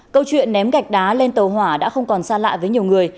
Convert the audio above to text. câu chuyện ném gạch đá lên tàu hỏa đã không còn xa lạ với nhiều người